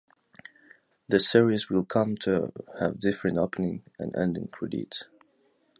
The series will come to have different opening and ending credits.